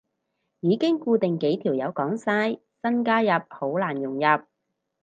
已經固定幾條友講晒，新加入好難融入